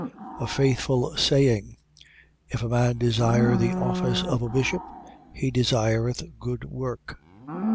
3:1. A faithful saying: If a man desire the office of a bishop, he desireth good work.